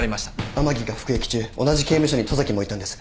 甘木が服役中同じ刑務所に十崎もいたんです。